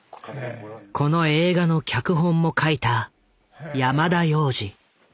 この映画の脚本も書いた山田洋次。